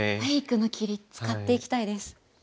フェイクの切り使っていきたいです。